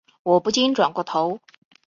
我不禁转过头